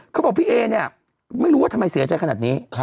เขาบอกพี่เอเนี่ยไม่รู้ว่าทำไมเสียใจขนาดนี้